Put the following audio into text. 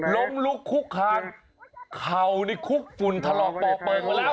ล้มลุกคุกคานเข่านี่คุกฝุ่นถลอกเบาะเปลืองมาแล้ว